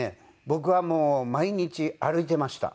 僕はもう毎日歩いていました。